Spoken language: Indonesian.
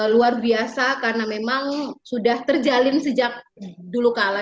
luar biasa karena memang sudah terjalin sejak dulu kalah